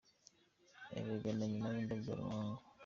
Erega “na nyina w’undi abyara umuhungu”!